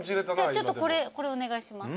ちょっとこれお願いします。